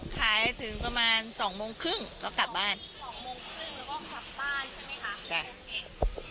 ขายถึงประมาณสองโมงครึ่งก็กลับบ้านสองโมงครึ่งแล้วก็กลับบ้านใช่ไหมคะ